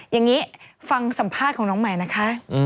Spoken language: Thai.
อย่างนี้ฟังสัมภาษณ์ของน้องใหม่นะคะ